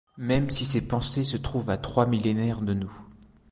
Même si ces pensées se trouvent à trois millénaires de nous.